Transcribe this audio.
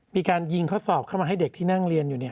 มีการยิงข้อสอบเข้ามาให้เด็กที่นั่งเรียนอยู่